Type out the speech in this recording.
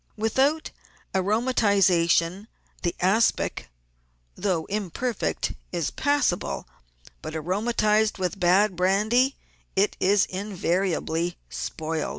Without aromatisation the aspic, though imperfect, is pas sable; but aromatised with bad brandy it is invariably spoilt.